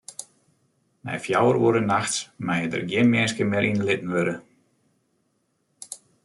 Nei fjouwer oere nachts meie der gjin minsken mear yn litten wurde.